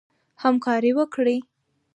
همکاري وکړئ.